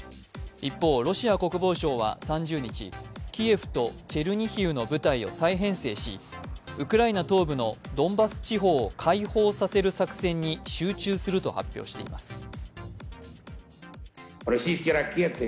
一方、ロシア国防省は３０日、キエフとチェルニヒウの部隊を再編成しウクライナ東部のドンバス地方を解放させる作戦に集中すると発表しています。